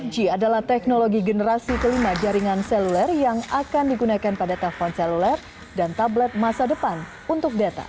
lima g adalah teknologi generasi kelima jaringan seluler yang akan digunakan pada telpon seluler dan tablet masa depan untuk data